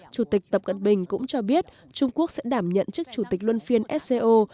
chủ tịch tập cận bình cũng cho biết trung quốc sẽ đảm nhận chức chủ tịch luân phiên sco